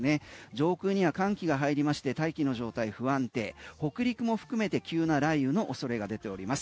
上空には寒気が入りまして大気の状態、不安定北陸も含めて急な雷雨の恐れが出ております。